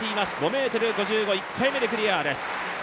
５ｍ５５、１回目でクリアです。